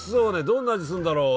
どんな味するんだろう？